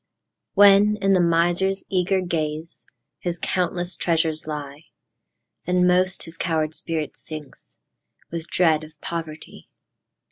When, in the miser's eager gaze, His countless treasures lie, Then most his coward spirit sinks, With dread of poverty.